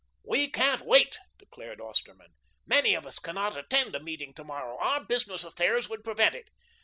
"We can't wait," declared Osterman. "Many of us cannot attend a meeting to morrow. Our business affairs would prevent it.